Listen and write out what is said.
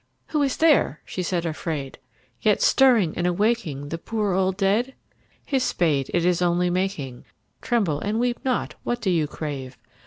Who is there, she said afraid, yet Stirring and awaking The poor old dead? His spade, it Is only making, — (Tremble and weep not I What do you crave